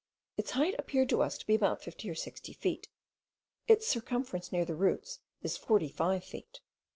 Its height appeared to us to be about 50 or 60 feet; its circumference near the roots is 45 feet.